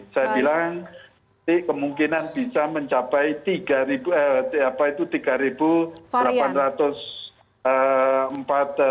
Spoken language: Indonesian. saya bilang kemungkinan bisa mencapai tiga apa itu tiga delapan ratus varian